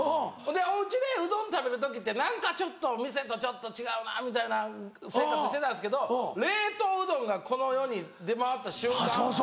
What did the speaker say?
おうちでうどん食べる時ってちょっと店と違うなみたいな生活してたんですけど冷凍うどんがこの世に出回った瞬間